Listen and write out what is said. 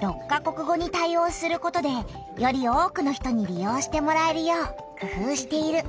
６か国語に対おうすることでより多くの人にり用してもらえるようくふうしている。